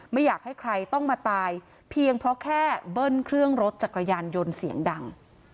ไม่อยากให้ใครต้องมาตายเพียงเพราะแค่เบิ้ลเครื่องรถจักรยานยนต์เสียงดัง